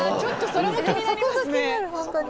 そこが気になる本当に。